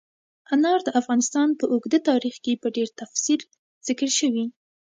انار د افغانستان په اوږده تاریخ کې په ډېر تفصیل ذکر شوي.